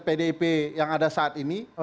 pdip yang ada saat ini